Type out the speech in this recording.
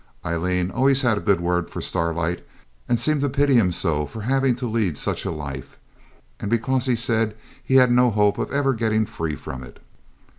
Aileen always had a good word for Starlight, and seemed to pity him so for having to lead such a life, and because he said he had no hope of ever getting free from it.